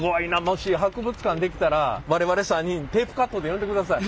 もし博物館できたら我々３人テープカットで呼んでください。